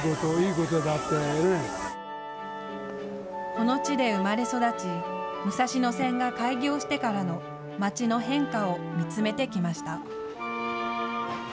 この地で生まれ育ち武蔵野線が開業してからの町の変化を見つめてきました。